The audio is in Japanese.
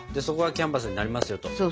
そこがキャンバスになりますよと。